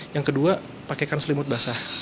yang kedua pakaikan selimut basah